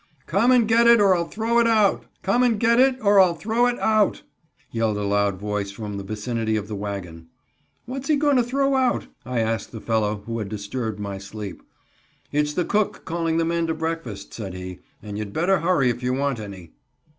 "Come and get it, or I'll throw it out Come and get it or I'll throw it out," yelled a loud voice from the vicinity of the wagon. "What's he going to throw out?" I asked the fellow who had disturbed my sleep. "It's the cook calling the men to breakfast," said he, "and you'd better hurry if you want any."